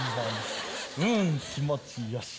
うん気持ちよし。